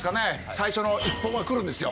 最初の一報が来るんですよ。